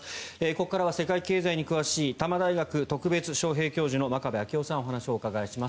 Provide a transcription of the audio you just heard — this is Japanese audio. ここからは世界経済に詳しい多摩大学特別招聘教授の真壁昭夫さんお話をお伺いします。